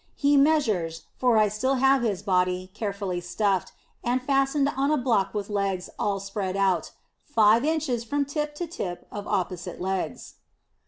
He measures for I still have his body, carefully stuffed, and fastened on a block with legs all spread out five inches from tip to tip of opposite legs.